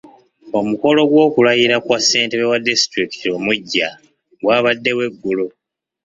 Omukolo gw'okulayira kwa ssentebe wa disitulikiti omuggya gwabaddewo eggulo.